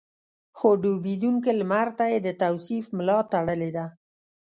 خو ډوبېدونکي لمر ته يې د توصيف ملا تړلې ده.